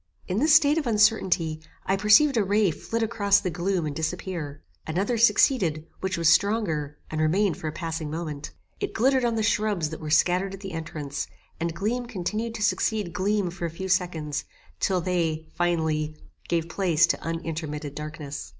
In this state of uncertainty, I perceived a ray flit across the gloom and disappear. Another succeeded, which was stronger, and remained for a passing moment. It glittered on the shrubs that were scattered at the entrance, and gleam continued to succeed gleam for a few seconds, till they, finally, gave place to unintermitted darkness.